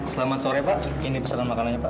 selamat sore pak ini pesanan makanannya pak